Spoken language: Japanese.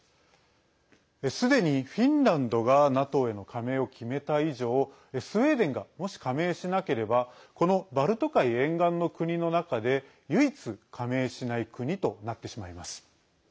すでにフィンランドがＮＡＴＯへの加盟を決めた以上スウェーデンがもし加盟しなければこのバルト海沿岸の国の中で唯一、加盟しない国となってしまいます。